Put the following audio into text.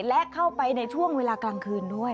และเข้าไปในช่วงเวลากลางคืนด้วย